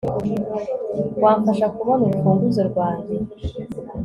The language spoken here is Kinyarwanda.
Wamfasha kubona urufunguzo rwanjye